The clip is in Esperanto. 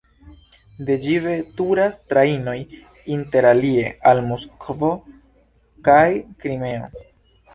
De ĝi veturas trajnoj interalie al Moskvo kaj Krimeo.